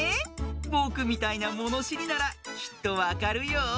ぼくみたいなものしりならきっとわかるよ。